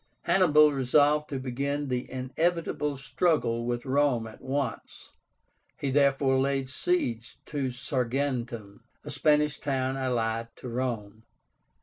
Hannibal resolved to begin the inevitable struggle with Rome at once. He therefore laid siege to Saguntum, a Spanish town allied to Rome.